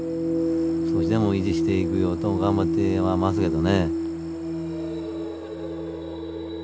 少しでも維持していくようと頑張ってはますけどね。